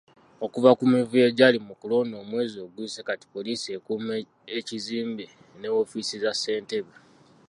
Okuva ku mivuyo egyali mu kulonda omwezi oguyise kati poliisi ekuuma ekizimbe ne woofiisi za ssentebe.